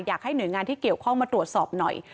อยากให้หน่วยงานที่เกี่ยวข้องมาตรวจสอบหน่อย